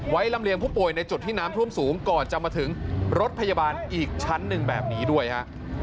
ลำเลียงผู้ป่วยในจุดที่น้ำท่วมสูงก่อนจะมาถึงรถพยาบาลอีกชั้นหนึ่งแบบนี้ด้วยฮะ